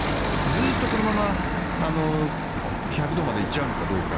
ずっとこのまま１００度まで行っちゃうのかどうか。